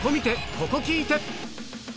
ここ聴いて！